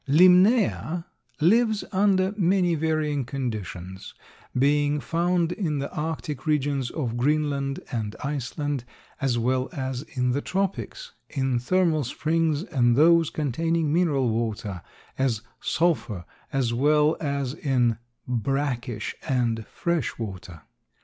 Limnaea lives under many varying conditions, being found in the arctic regions of Greenland and Iceland as well as in the tropics, in thermal springs and those containing mineral matter, as sulphur, as well as in brackish and fresh water.